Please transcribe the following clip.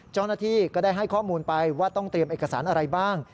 เจ้าหน้าที่ก็ได้ให้ข้อมูลไปว่าต้องเตรียมเอกสารอะไรบ้าง